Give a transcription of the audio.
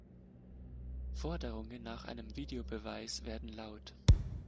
Forderungen nach einem Videobeweis werden laut.